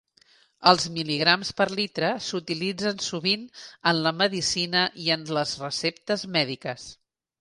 Els mil·ligrams per litre s'utilitzen sovint en la medicina i en les receptes mèdiques.